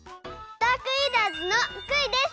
ダークイーターズのクイです。